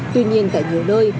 tuy nhiên tại nhiều nơi